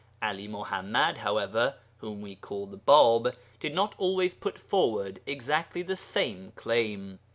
'Ali Muḥammad, however, whom we call the Bāb, did not always put forward exactly the same claim.